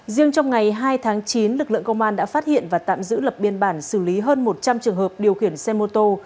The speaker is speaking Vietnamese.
riêng trong ngày hai tháng chín lực lượng công an đã phát hiện và tạm giữ lập biên bản xử lý hơn một trăm linh trường hợp điều khiển xe mô tô